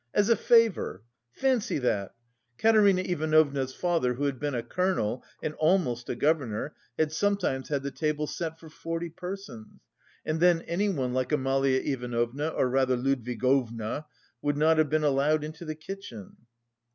As a favour! Fancy that! Katerina Ivanovna's father who had been a colonel and almost a governor had sometimes had the table set for forty persons, and then anyone like Amalia Ivanovna, or rather Ludwigovna, would not have been allowed into the kitchen."